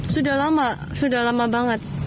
sudah lama sudah lama banget